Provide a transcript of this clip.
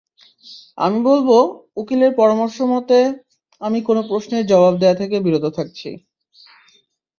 আমি বলব, উকিলের পরামর্শমতে, আমি কোনো প্রশ্নের জবাব দেয়া থেকে বিরত থাকছি।